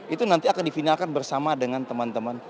itu nanti akan difinalkan bersama dengan teman teman